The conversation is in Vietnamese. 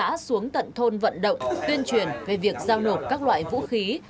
đã xuống tận thôn vận động tuyên truyền về việc giao nộp các loại vũ khí